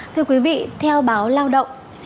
thưa quý vị theo báo lao động